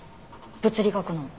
物理学の。